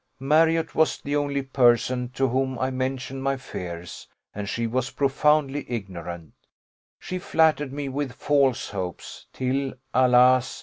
Marriott was the only person to whom I mentioned my fears, and she was profoundly ignorant: she flattered me with false hopes, till, alas!